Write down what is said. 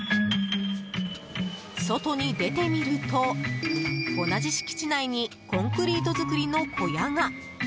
外に出てみると、同じ敷地内にコンクリート造りの小屋が。